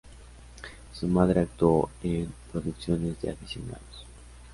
Su madre actuó en producciones de aficionados.